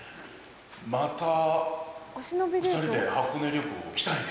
また２人で箱根旅行来たいね。